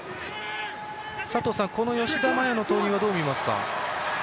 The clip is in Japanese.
この吉田麻也の投入はどう見ますか？